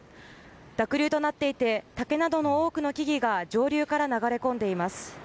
濁流となっていて竹などの多くの木々が上流から流れ込んでいます。